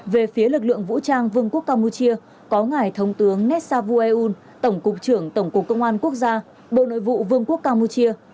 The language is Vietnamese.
về phía lực lượng vũ trang vương quốc campuchia có ngài thống tướng nét xa vu e un tổng cục trưởng tổng cục công an quốc gia bộ nội vụ vương quốc campuchia